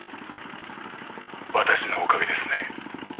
私のおかげですね」